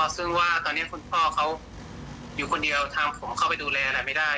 ซึ่งว่าตอนนี้คุณพ่อเขาอยู่คนเดียวทางผมเข้าไปดูแลอะไรไม่ได้